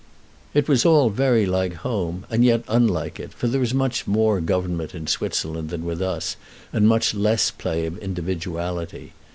It was all very like home, and yet unlike it, for there is much more government in Switzerland than with us, and much less play of individuality.